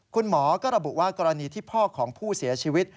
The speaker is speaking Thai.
คุณหมอก็ระบุว่ากรณีที่พ่อของผู้เสียชีวิต